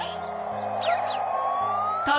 あっ。